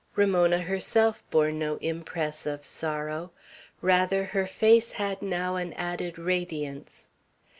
Ramona herself bore no impress of sorrow; rather her face had now an added radiance.